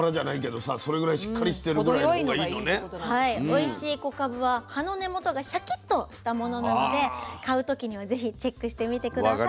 おいしい小かぶは葉の根元がシャキッとしたものなので買う時には是非チェックしてみて下さい。